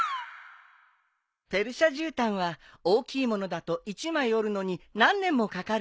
ペルシャじゅうたんは大きいものだと一枚織るのに何年もかかるんだ。